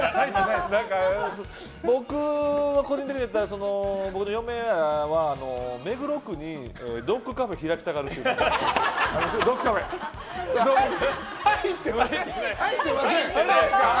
僕は個人的に言ったら僕の嫁は目黒区にドッグカフェ開きたがるってことですかね。